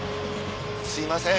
すいません。